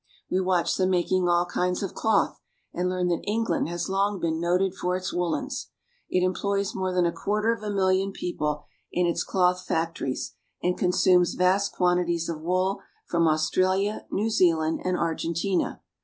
We watch them making all kinds of cloth, and learn that England has long been noted for its woolens. It employs more than a quarter of a million people in its cloth factories, and consumes vast quantities of wool from Australia, New Zealand, and Argentina.